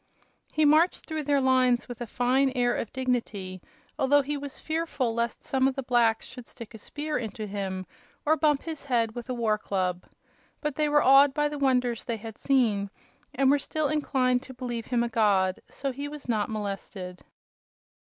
He marched through their lines with a fine air of dignity, although he was fearful lest some of the blacks should stick a spear into him or bump his head with a war club. But they were awed by the wonders they had seen and were still inclined to believe him a god, so he was not molested.